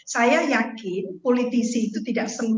saya yakin politisi itu tidak sempurna